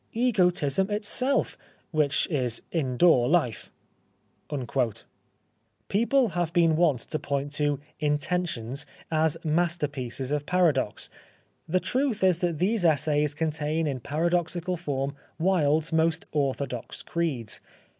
Egotism itself, which is indoor life." People have been wont to point to " Inten tions " as masterpieces of paradox. The truth is that these essays contain in paradoxical form Wilde's most orthodox creeds.